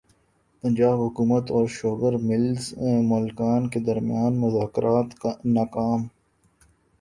پنجاب حکومت اور sugar mills مالکان کے درمیان مذاکرات ناکام